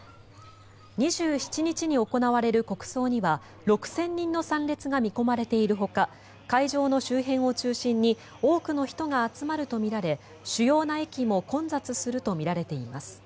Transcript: ２７日に行われる国葬には６０００人の参列が見込まれているほか会場の周辺を中心に多くの人が集まるとみられ主要な駅も混雑するとみられています。